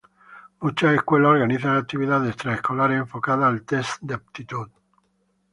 Muchas escuelas organizan actividades extraescolares enfocadas al Test de Aptitud.